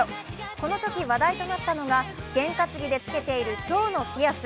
このとき話題となったのが験担ぎでつけているちょうのピアス。